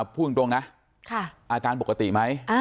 พูดจริงนะอาการปกติมั้ย